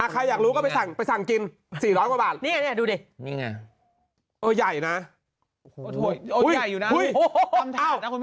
ใครอยากรู้ก็ไปสั่งกิน๔๐๐กว่าบาท